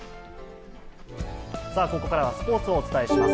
さあここからはスポーツをお伝えします。